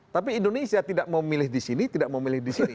tapi indonesia tidak mau milih di sini tidak memilih di sini